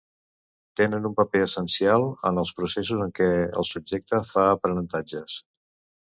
Tenen un paper essencial en els processos en què el subjecte fa aprenentatges.